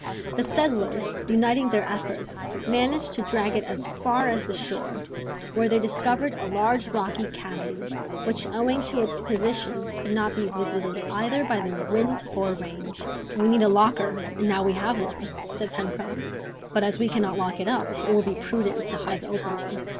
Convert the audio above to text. The settlers, uniting their efforts, managed to drag it as far as the shore, where they discovered a large rocky cavity, which owing to its position could not be visited either by the wind or rain. "We needed a locker, and now we have one," said Pencroft; "but as we cannot lock it up, it will be prudent to hide the opening.